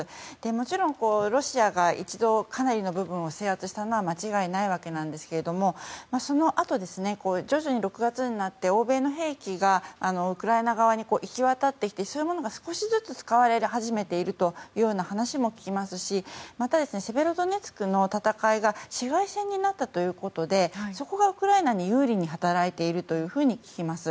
もちろんロシアが一度かなりの部分を制圧したのは間違いないわけなんですがそのあとですね徐々に６月になって欧米の兵器がウクライナ側に行き渡ってきてそういうものが少しずつ使われ始めていると聞きますしまたセベロドネツクの戦いが市街戦になったということでそこがウクライナに有利に働いていると聞きます。